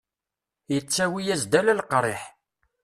Yettawi-as-d ala leqriḥ.